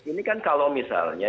ini kan kalau misalnya